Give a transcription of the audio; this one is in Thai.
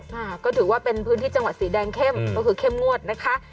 อ่าก็ถือว่าเป็นพื้นที่จังหวัดสีแดงเข้มก็คือเข้มงวดนะคะ